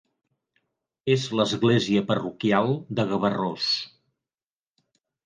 És l'església parroquial de Gavarrós.